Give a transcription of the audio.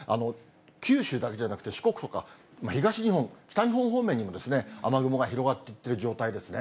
九州だけじゃなくて、四国とか東日本、北日本方面にも雨雲が広がっていってる状態ですね。